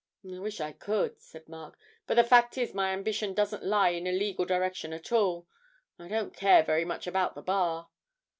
'I wish I could,' said Mark, 'but the fact is my ambition doesn't lie in a legal direction at all. I don't care very much about the Bar.'